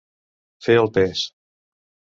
Fer el pes.